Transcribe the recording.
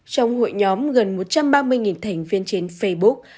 trong hội nhóm gần một trăm ba mươi thành viên trên facebook